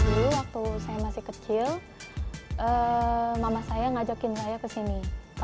dulu waktu saya masih kecil mama saya ngajakin saya ke sini